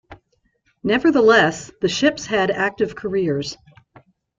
Nevertheless, the ships had active careers.